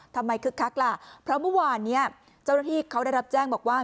คึกคักล่ะเพราะเมื่อวานเนี่ยเจ้าหน้าที่เขาได้รับแจ้งบอกว่า